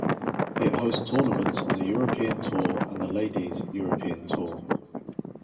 It hosts tournaments on the European Tour and the Ladies European Tour.